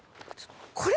これ？